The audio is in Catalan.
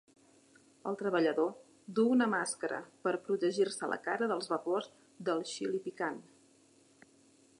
El treballador duu una màscara per protegir-se la cara dels vapors del xili picant.